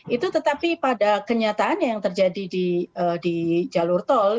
itu tetapi pada kenyataannya yang terjadi di jalur tol